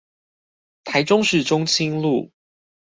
台中市中清路